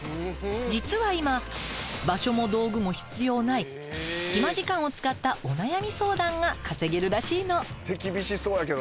実は今場所も道具も必要ない隙間時間を使ったお悩み相談が稼げるらしいの。